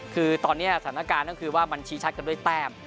คือตอนนี้สถานการณ์ก็คือว่ามันชี้ชัดกันด้วยแต้ม